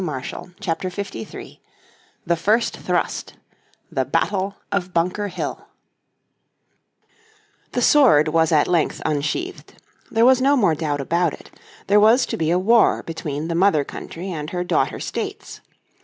__________ Chapter 53 The First Thrust The Battle of Bunker Hill The sword was at length unsheathed. There was no more doubt about it. There was to be a war between the Mother Country and her daughter states.